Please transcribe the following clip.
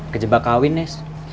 kejebak kawin nes